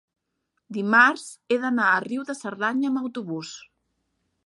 dimarts he d'anar a Riu de Cerdanya amb autobús.